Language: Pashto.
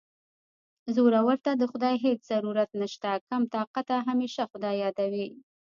زورور ته د خدای هېڅ ضرورت نشته کم طاقته همېشه خدای یادوي